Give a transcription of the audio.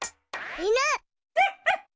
いぬ。